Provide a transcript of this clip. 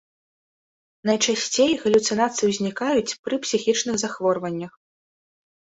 Найчасцей галюцынацыі ўзнікаюць пры псіхічных захворваннях.